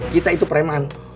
kita itu preman